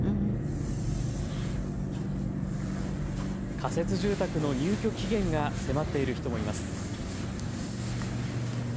仮設住宅の入居期限が迫っている人もいます。